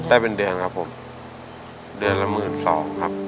ได้เป็นเดือนครับผมเดือนละหมื่นสองครับ